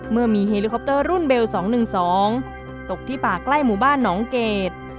เมื่อมีเฮลิคอปเตอร์รุ่นเบล๒๑๒ตกที่ป่าใกล้หมู่บ้านหนองเกด